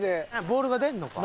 ボールが出んのか。